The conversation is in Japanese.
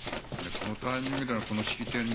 このタイミングでのこの式典に